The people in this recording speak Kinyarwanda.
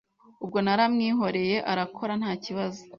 Ubwo naramwihoreye arakora ntakibazo